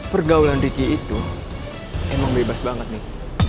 pergaulan ricky itu emang bebas banget nih